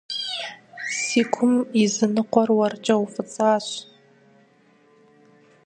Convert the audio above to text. Си гум и зы ныкъуэр уэркӀэ уфӀыцӀащ.